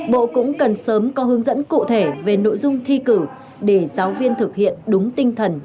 bộ cũng cần sớm có hướng dẫn cụ thể về nội dung thi cử để giáo viên thực hiện đúng tinh thần